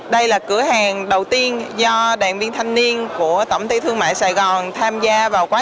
đây là cửa hàng đầu tiên do đoàn viên thanh niên của tổng ty thương mại sài gòn tham gia vào quá trình